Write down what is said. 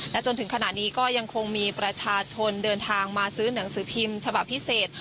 จนถึงขณะนี้ก็ยังคงมีประชาชนเดินทางมาซื้อหนังสือพิมพ์ฉบับพิเศษ